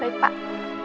baik pak ini